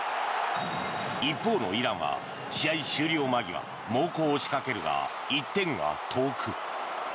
一方のイランは試合終了間際猛攻を仕掛けるが１点が遠く。